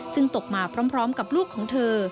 ซึ่งตกมาพร้อมกับลูกของเธอ